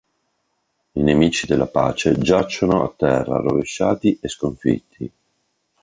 I nemici della Pace giacciono a terra, rovesciati e sconfitti.